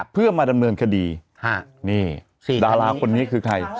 เพื่อมาดำเนินคดีนี่ดาราคนนี้คือใคร